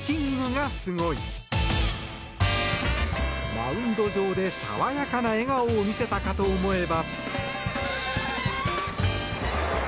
マウンド上で爽やかな笑顔を見せたかと思えば。